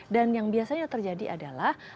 dan yang biasanya terjadi adalah